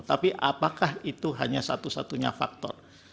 tapi apakah itu hanya satu satunya faktor